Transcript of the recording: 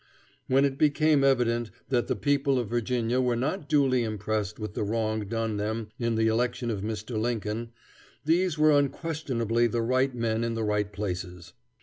When it became evident that the people of Virginia were not duly impressed with the wrong done them in the election of Mr. Lincoln, these were unquestionably the right men in the right places.